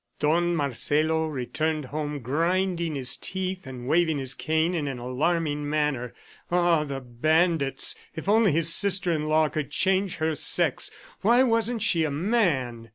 .. Don Marcelo returned home, grinding his teeth and waving his cane in an alarming manner. Ah, the bandits! ... If only his sister in law could change her sex! Why wasn't she a man?